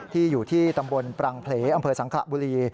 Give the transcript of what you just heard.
อยู่ที่ตำบลปรังเพลอำเภอสังขระบุรี